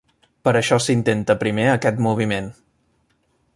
Per això s'intenta primer aquest moviment.